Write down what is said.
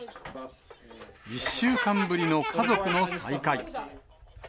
１週間ぶりの家族の再会。